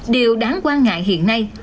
điều đáng quan ngại hiện nay